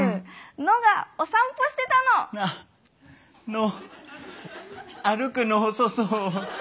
「の」歩くの遅そう。